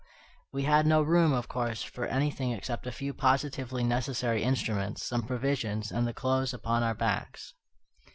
We had no room, of course, for anything except a few positively necessary instruments, some provisions, and the clothes upon our backs.